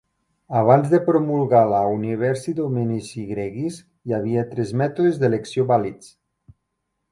Abans de promulgar la "Universi Dominici gregis", hi havia tres mètodes d"elecció vàlids.